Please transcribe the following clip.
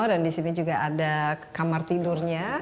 dan di sini juga ada kamar tidurnya